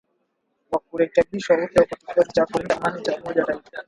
wa kurekebishwa upya kwa kikosi cha kulinda amani cha Umoja wa Mataifa